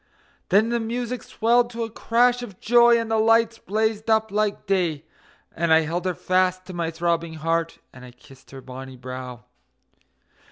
Then the music swelled to a crash of joy, and the lights blazed up like day, And I held her fast to my throbbing heart, and I kissed her bonny brow.